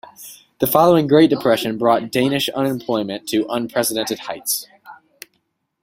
The following Great Depression brought Danish unemployment to unprecedented heights.